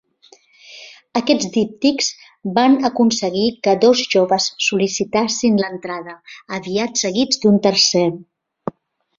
Aquests díptics van aconseguir que dos joves sol·licitassin l'entrada, aviat seguits d'un tercer.